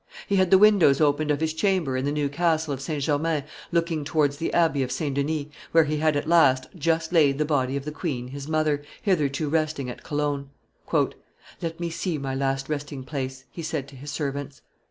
He had the windows opened of his chamber in the new castle of St. Germain looking towards the Abbey of St. Denis, where he had, at last, just laid the body of the queen his mother, hitherto resting at Cologne. "Let me see my last resting place," he said to his servants.